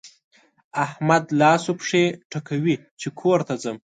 احمد لاس و پښې ټکوي چې کور ته ځم.